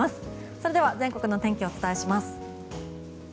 それでは全国の天気をお伝えします。